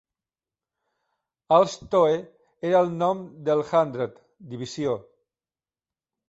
Alstoe era el nom del hundred (divisió).